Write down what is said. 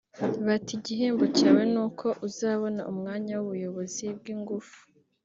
bati igihembo cyawe n’uko uzabona umwanya w’ubuyobozi bw’ingufu